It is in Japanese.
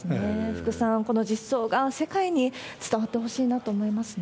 福さん、この実相が世界に伝わってほしいなと思いますね。